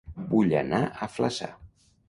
Vull anar a Flaçà